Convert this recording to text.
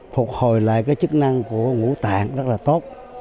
phục hồi lại cái chức năng của ngũ tạng rất là tốt